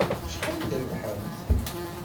Acḥal i d-trebḥemt?